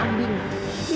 sama seperti narik ambing